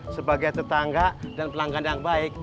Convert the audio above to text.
sebagai tetangga dan pelanggan yang baik